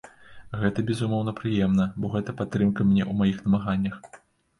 Гэта, безумоўна прыемна, бо гэта падтрымка мне ў маіх намаганнях.